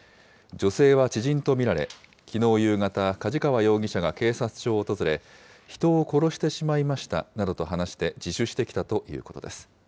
女性は知人と見られ、きのう夕方、梶川容疑者が警察署を訪れ、人を殺してしまいましたなどと話して自首してきたということです。